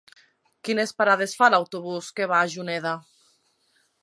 Quines parades fa l'autobús que va a Juneda?